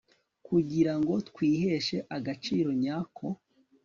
kugira ngo twiheshe agaciro nyako